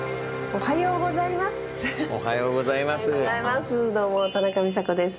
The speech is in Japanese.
おはようございます。